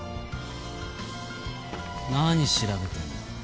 何調べてんだ？